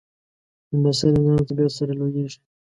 لمسی له نرم طبیعت سره لویېږي.